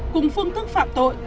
cùng phương thức phạm tội